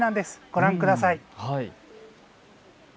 ご覧ください。